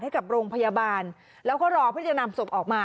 ให้กับโรงพยาบาลแล้วก็รอเพื่อจะนำศพออกมา